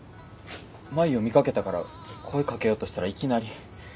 麻衣を見かけたから声かけようとしたらいきなり。